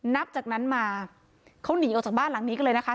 นับจากนั้นมาเขาหนีออกจากบ้านหลังนี้กันเลยนะคะ